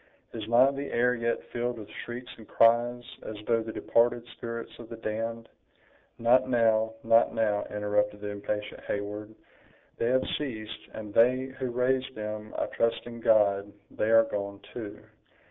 "Is not the air yet filled with shrieks and cries, as though the departed spirits of the damned—" "Not now, not now," interrupted the impatient Heyward, "they have ceased, and they who raised them, I trust in God, they are gone, too!